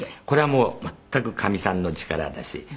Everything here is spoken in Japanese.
これはもう全くかみさんの力だし。